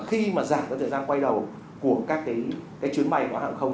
khi mà giảm cái thời gian quay đầu của các cái chuyến bay quá hàng không